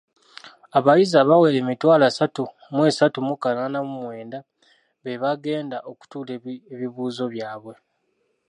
Abayizi abawera emitwalo asatu mu esatu mu kanaana mu mwenda be bagenda okutuula ebibuuzo byabwe.